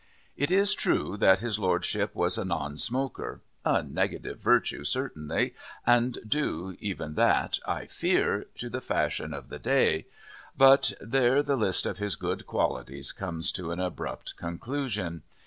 It is true that his Lordship was a non smoker a negative virtue, certainly, and due, even that, I fear, to the fashion of the day but there the list of his good qualities comes to an abrupt conclusion.